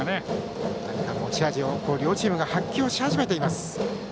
持ち味を両チームが発揮し始めています。